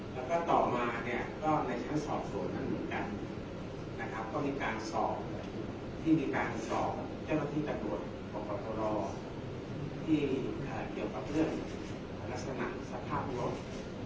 แล้วก็ต่อมาเนี่ยก็ในชั้นสอบสวนนั้นเหมือนกันนะครับก็มีการสอบที่มีการสอบเจ้าหน้าที่ตำรวจพบตรที่เกี่ยวกับเรื่องลักษณะสภาพรถ